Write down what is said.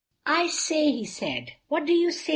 "I say," he said. "What do you say?"